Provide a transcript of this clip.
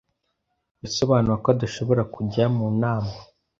Yasobanuye ko adashobora kujya mu nama.